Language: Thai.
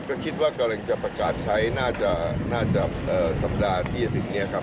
ก็คิดว่ากำลังจะประกาศใช้น่าจะสัปดาห์ที่จะถึงนี้ครับ